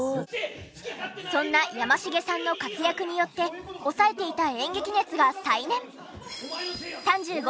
そんなやましげさんの活躍によって抑えていた演劇熱が再燃！